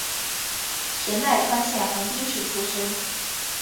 神奈川县横滨市出身。